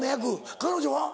彼女は？